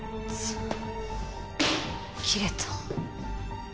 切れた。